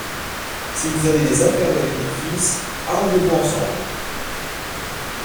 Si vous avez des affaires avec mon fils, arrangez-vous ensemble.